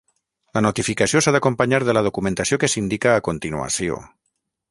La notificació s'ha d'acompanyar de la documentació que s'indica a continuació.